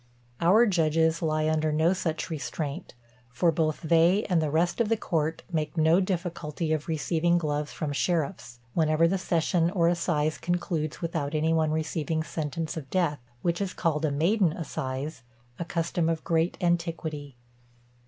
Our judges lie under no such restraint; for both they and the rest of the court make no difficulty of receiving gloves from the sheriffs, whenever the session or assize concludes without any one receiving sentence of death, which is called a maiden assize; a custom of great antiquity.